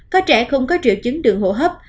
có trẻ không có triệu chứng đường hô hấp